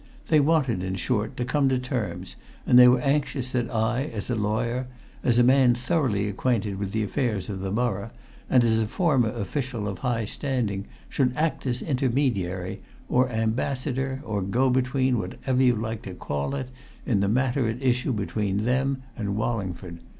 They wanted, in short, to come to terms, and they were anxious that I, as a lawyer, as a man thoroughly acquainted with the affairs of the borough, and as a former official of high standing, should act as intermediary, or ambassador, or go between, whatever you like to call it, in the matter at issue between them and Wallingford.